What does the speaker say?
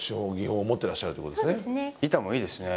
板もいいですね